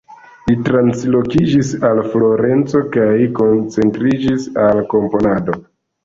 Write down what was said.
Li translokiĝis al Florenco kaj koncentriĝis al komponado.